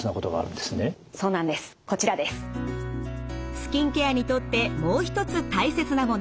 スキンケアにとってもう一つ大切なもの。